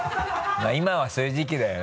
まぁ今はそういう時期だよな。